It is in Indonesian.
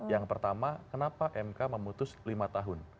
yang pertama kenapa mk memutus lima tahun